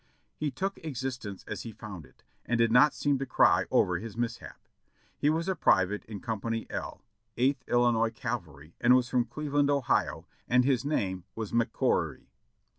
He took existence as he found it, and did not seem to cry over his mishap. He was a. private in Company L, Eighth IlHnois Cavalry, and was from Cleveland, Ohio, and his name was McCaughery.